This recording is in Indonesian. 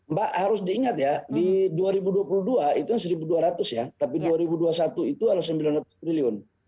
mbak harus diingat ya di dua ribu dua puluh dua itu rp satu dua ratus ya tapi dua ribu dua puluh satu itu adalah sembilan ratus triliun